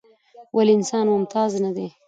ولې انسان ممتاز دى؟